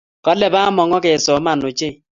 Kale Bamongo kesoman ochei